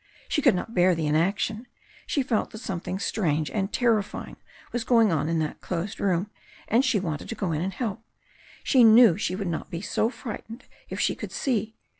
She could not bear the inaction. She felt that something strange and ter rifying was going on in that closed room, and she wanted to go in and help. She knew she would not be so frightened if she could see.